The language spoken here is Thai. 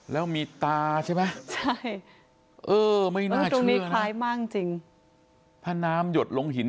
แล้วมีตาใช่ไหมใช่เออไม่น่าเห็นตรงนี้คล้ายมากจริงถ้าน้ำหยดลงหิน